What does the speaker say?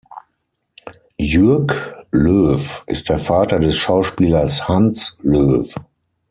Jürg Löw ist der Vater des Schauspielers Hans Löw.